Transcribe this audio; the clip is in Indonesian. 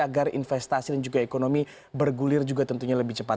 agar investasi dan juga ekonomi bergulir juga tentunya lebih cepat